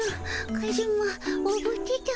カズマおぶってたも。